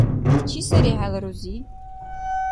Чи сари хӀела рузи?